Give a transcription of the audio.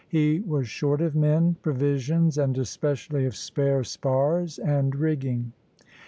He was short of men, provisions, and especially of spare spars and rigging.